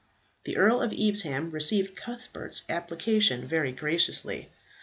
The Earl of Evesham received Cuthbert's application very graciously.